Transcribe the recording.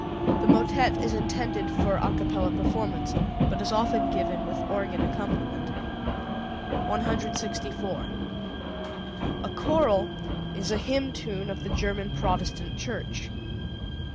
The motet is intended for a capella performance, but is often given with organ accompaniment. 164. A choral is a hymn tune of the German Protestant Church.